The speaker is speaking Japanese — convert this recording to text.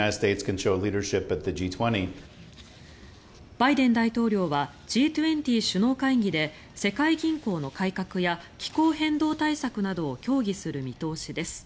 バイデン大統領はＧ２０首脳会議で世界銀行の改革や気候変動対策などを協議する見通しです。